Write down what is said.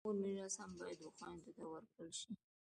د مور میراث هم باید و خویندو ته ورکړل سي.